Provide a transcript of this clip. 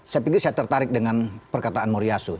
saya pikir saya tertarik dengan perkataan muriasu